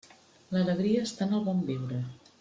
L'alegria està en el bon viure.